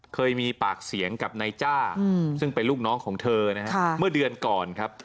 เคยมีปากเสียงกับนายจ้าซึ่งเป็นลูกน้องของเธอนะฮะเมื่อเดือนก่อนครับ